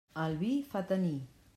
El vi fa tenir.